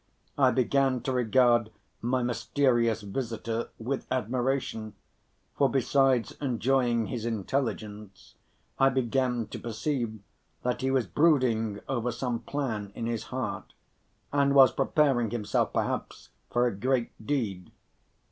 I began to regard my mysterious visitor with admiration, for besides enjoying his intelligence, I began to perceive that he was brooding over some plan in his heart, and was preparing himself perhaps for a great deed.